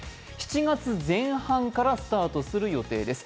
７月前半からスタートする予定です。